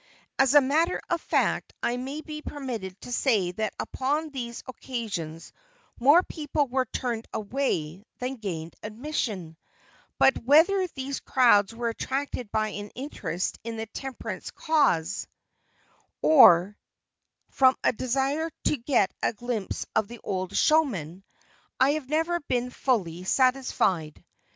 As a matter of fact I may be permitted to say that upon these occasions more people were turned away than gained admission, but whether these crowds were attracted by an interest in the temperance cause, or from a desire to get a glimpse of the old showman, I have never been fully satisfied.